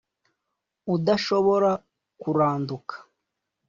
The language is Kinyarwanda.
Udashobora kuranduka